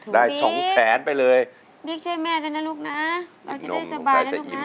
สองแสนไปเลยนี่ช่วยแม่ด้วยนะลูกนะเราจะได้สบายนะลูกนะ